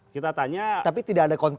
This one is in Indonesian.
kita tanya tapi tidak ada